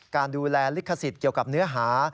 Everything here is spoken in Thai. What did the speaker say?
การดูแลลิขสิทธิ์เกี่ยวกับเนื้อหา